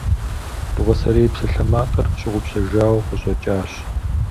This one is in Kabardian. Дыгъуасэрей псалъэмакъыр щыгъупщэжауэ къыщӏэкӏащ.